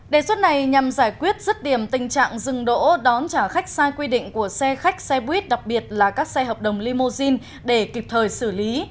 đề xuất này nhằm giải quyết rứt điểm tình trạng dừng đỗ đón trả khách sai quy định của xe khách xe buýt đặc biệt là các xe hợp đồng limousine để kịp thời xử lý